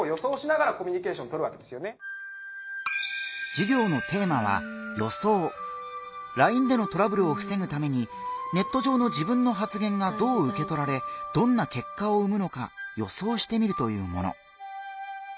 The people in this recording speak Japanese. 授業をしてくれるのはＬＩＮＥでのトラブルをふせぐためにネット上の自分の発言がどううけとられどんな結果を生むのか予想してみるというもの。